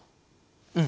うん。